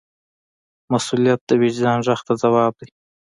مسؤلیت د وجدان غږ ته ځواب دی.